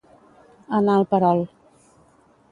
Anar al perol.